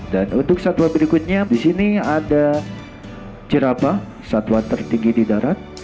dan untuk satwa berikutnya disini ada jerapa satwa tertinggi di darat